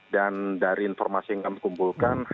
dan dari informasi yang kami kumpulkan